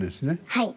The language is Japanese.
はい。